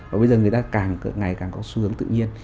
và bây giờ người ta càng ngày càng có xu hướng tự nhiên